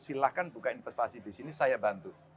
silahkan buka investasi di sini saya bantu